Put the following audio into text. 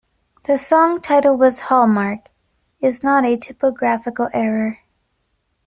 The song title "hHallmark" is not a typographical error.